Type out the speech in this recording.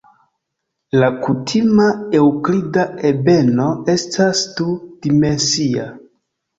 La kutima eŭklida ebeno estas du-dimensia.